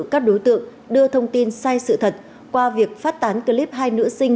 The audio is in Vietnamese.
các đối tượng đưa thông tin sai sự thật qua việc phát tán clip hai nữ sinh